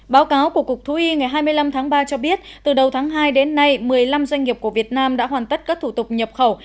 báo cáo của cục thú y ngày hai mươi năm tháng ba cho biết từ đầu tháng hai đến nay một mươi năm doanh nghiệp của việt nam đã hoàn tất các thủ tục nhập khẩu